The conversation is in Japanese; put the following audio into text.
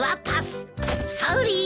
ソーリー！